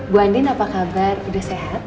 bu andin apa kabar udah sehat